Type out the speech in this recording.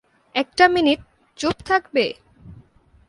একটা মিনিট চুপ থাকবে?